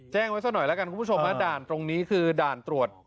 แจ้งไว้สักหน่อยแล้วกันคุณผู้ชมฮะด่านตรงนี้คือด่านตรวจ